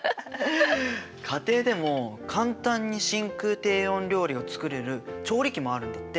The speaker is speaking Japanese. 家庭でも簡単に真空低温料理を作れる調理器もあるんだって。